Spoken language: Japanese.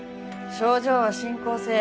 症状は進行性。